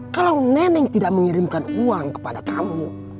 kalau neneng tidak mengirimkan uang kepada kamu